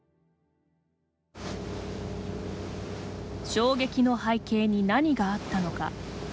衝撃の背景に何があったのか。